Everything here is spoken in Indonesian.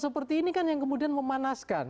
seperti ini kan yang kemudian memanaskan